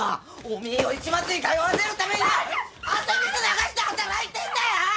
おめえを市松に通わせるためにな汗水流して働いてんだよ！